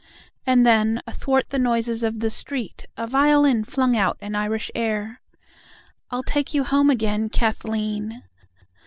And then, athwart the noises of the street, A violin flung out an Irish air. "I'll take you home again, Kathleen."